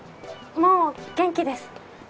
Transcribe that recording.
もう元気です。